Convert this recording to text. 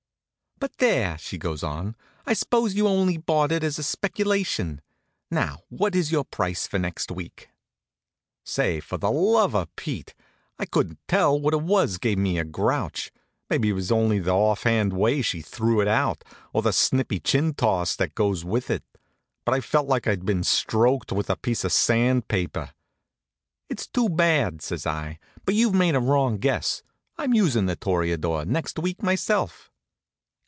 "But there!" she goes on. "I suppose you only bought it as a speculation. Now what is your price for next week?" Say, for the love of Pete, I couldn't tell what it was gave me a grouch. Maybe it was only the off hand way she threw it out, or the snippy chin toss that goes with it. But I felt like I'd been stroked with a piece of sand paper. "It's too bad," says I, "but you've made a wrong guess. I'm usin' The Toreador next week myself."